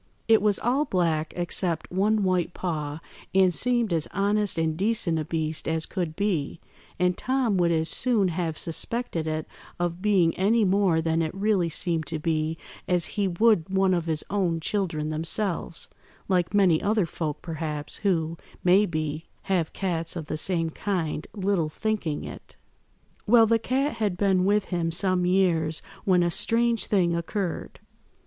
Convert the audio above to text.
It was all black except one white paw, and seemed as honest and decent a beast as could be, and Tom would as soon have suspected it of being any more than it really seemed to be as he would one of his own children themselves, like many other folk, perhaps, who, may be, have cats of the same kind, little thinking it. "Well, the cat had been with him some years when a strange thing occurred.